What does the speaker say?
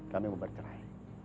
kami mau bercerai